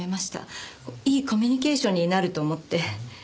こういいコミュニケーションになると思って。